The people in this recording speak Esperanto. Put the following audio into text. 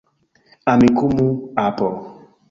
Amikumu, apo.